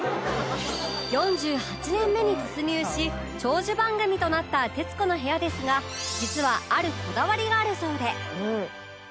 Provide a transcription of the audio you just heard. ４８年目に突入し長寿番組となった『徹子の部屋』ですが実はあるこだわりがあるそうで